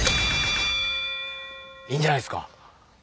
いいんじゃないっすか？